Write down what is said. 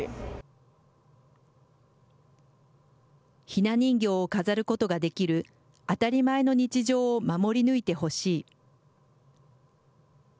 ひな人形を飾ることができる当たり前の日常を守り抜いてほしい。